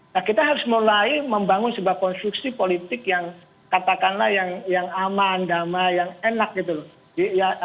nah kita harus mulai membangun sebuah konstruksi politik yang katakanlah yang aman damai yang enak gitu loh